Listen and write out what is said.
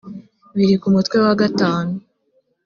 biri k’umutwe wagatanu